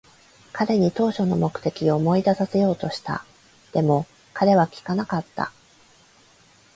彼に当初の目的を思い出させようとした。でも、彼は聞かなかった。